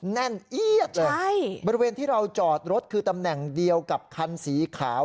แน่นเอียดเลยบริเวณที่เราจอดรถคือตำแหน่งเดียวกับคันสีขาว